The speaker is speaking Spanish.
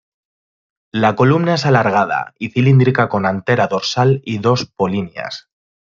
La columna es alargada y cilíndrica con antera dorsal y dos polinias.